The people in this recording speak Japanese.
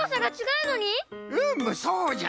うむそうじゃ。